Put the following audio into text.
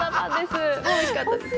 おいしかったです。